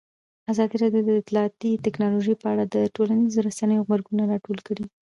ازادي راډیو د اطلاعاتی تکنالوژي په اړه د ټولنیزو رسنیو غبرګونونه راټول کړي.